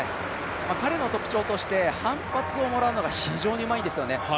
彼の特徴として反発をもらうのが非常にうまいんですよね。